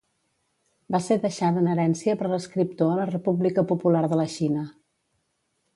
Va ser deixada en herència per l'escriptor a la República Popular de la Xina.